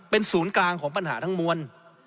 เป็นศูนย์กลางของปัญหาทั้งมวล